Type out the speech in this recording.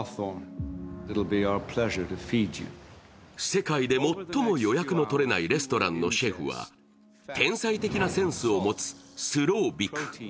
世界で最も予約の取れないレストランのシェフは天才的なセンスを持つスローヴィク。